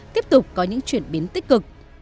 tiếp tục có những chuyển biến tích cực